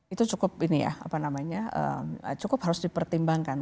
itu cukup ini ya apa namanya cukup harus dipertimbangkan